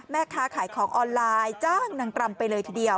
แม่ค้าขายของออนไลน์จ้างนางกรรมไปเลยทีเดียว